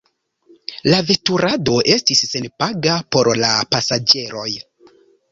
La veturado estis senpaga por la pasaĝeroj.